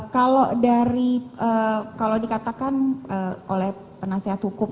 kalau dari kalau dikatakan oleh penasihat hukum